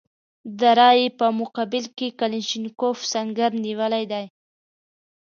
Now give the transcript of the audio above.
د رایې په مقابل کې کلاشینکوف سنګر نیولی دی.